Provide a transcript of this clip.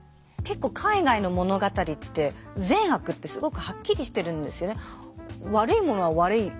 結構海外の物語って善悪ってすごくはっきりしてるんですよね。